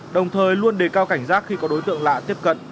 đồng thời luôn đề cao cảnh giác khi có đối tượng lạ tiếp cận